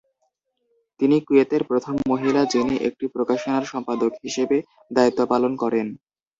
তিনি কুয়েতের প্রথম মহিলা যিনি একটি প্রকাশনার সম্পাদক হিসেবে দায়িত্ব পালন করেন।